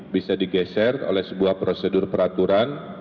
bisa digeser oleh sebuah prosedur peraturan